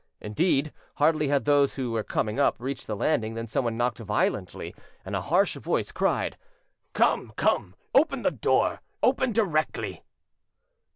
Indeed, hardly had those who were coming up reached the landing than someone knocked violently, and a harsh voice cried: "Come, come, open the door; open directly."